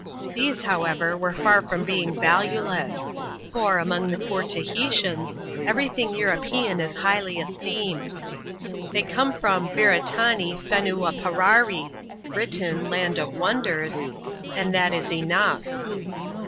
These, however, were &r from being valueless; for, among the poorer Tahitians, every thing European is highly esteemed. They come from ^ Bcuretanee, Fenooa Fararee" (Britain, Land of Wonders), and that is enough.